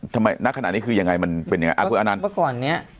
ทำไมณขนาดนี้คือยังไงมันเป็นยังไงอ่าพวกอันนั้นพวกก่อนเนี้ย